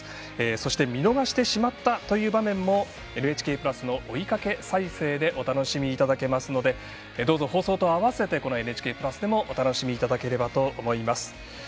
そして、見逃してしまった場面も「ＮＨＫプラス」の追いかけ再生でお楽しみいただけますのでどうぞ、放送と併せて「ＮＨＫプラス」でもお楽しみいただければと思います。